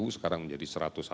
sekarang menjadi satu ratus satu